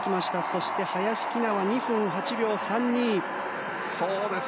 そして、林希菜は２分８秒３２。